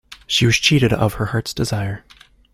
She was cheated of her heart's desire.